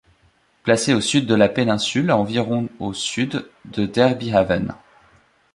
Placé au sud de la péninsule à environ au sud de Derbyhaven.